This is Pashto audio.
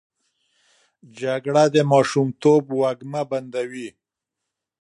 جګړه د ماشومتوب وږمه بندوي